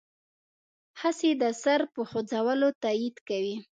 هسې د سر په خوځولو تایید کوي.